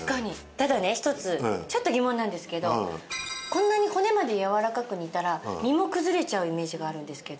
ただね１つちょっと疑問なんですけどこんなに骨までやわらかく煮たら身も崩れちゃうイメージがあるんですけど。